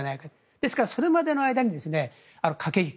ですから、それまでの間に駆け引き。